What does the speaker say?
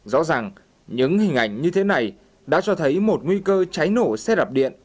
rõ ràng những hình ảnh như thế này đã cho thấy một nguy cơ cháy nổ xe đạp điện